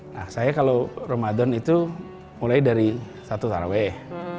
nah saya kalau ramadan itu mulai dari satu taraweh